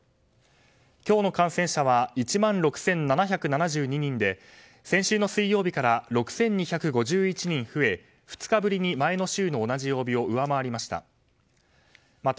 今日の感染者は１万６７７２人で先週の水曜日から６２５１人増え２日ぶりに前の週の同じ曜日を上回りました。